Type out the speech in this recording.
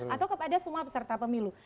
ataukah pada semua peserta pemilu